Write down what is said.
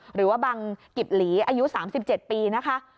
หรือว่าบังกิบหลีอายุ๓๗ปีนะคะ